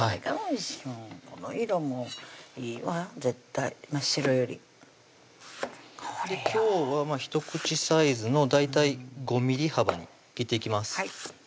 この色もいいわ絶対真っ白より今日は１口サイズの大体５ｍｍ幅に切っていきます